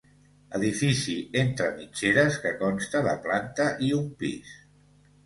Edifici entre mitgeres que consta de planta i un pis.